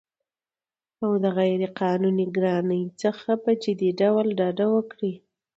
او غیرقانوني ګرانۍ څخه په جدي ډول ډډه وکړي